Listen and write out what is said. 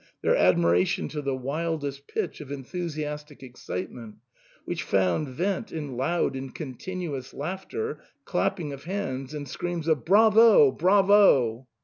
119 their admiration to the wildest pitch of enthusiastic excitement, which found vent in loud and continuous laughter, clapping of hands, and screams of " Bravo ! Bravo